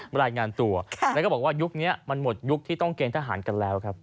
รายงานตัวแล้วก็บอกว่ายุคนี้มันหมดยุคที่ต้องเกณฑหารกันแล้วครับ